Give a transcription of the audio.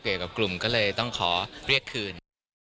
กับกลุ่มก็เลยต้องขอเรียกคืน